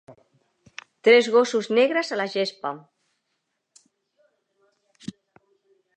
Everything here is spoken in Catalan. Tres gossos negres a la gespa.